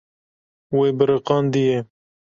Wê biriqandiye.